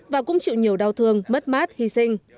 và cũng chịu nhiều đau thương mất mát hy sinh